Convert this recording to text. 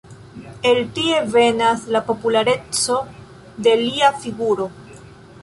El tie venas la populareco de lia figuro.